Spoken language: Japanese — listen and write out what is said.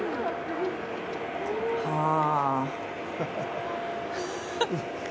はあ。